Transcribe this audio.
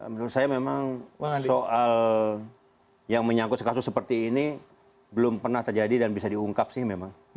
menurut saya memang soal yang menyangkut kasus seperti ini belum pernah terjadi dan bisa diungkap sih memang